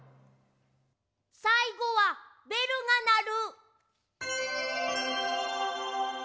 さいごは「べるがなる」。